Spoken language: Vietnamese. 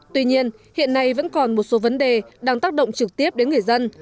tuy nhiên hiện nay vẫn còn một số vấn đề đang tác động trực tiếp đến người dân